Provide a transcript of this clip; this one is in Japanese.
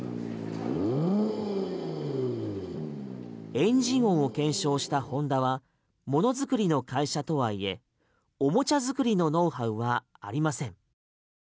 エンジン音を検証したホンダは物作りの会社とはいえおもちゃ作りのノウハウはありません。